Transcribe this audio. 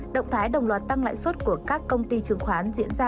động thái đồng loạt tăng lãi suất của các công ty trường khoán diễn ra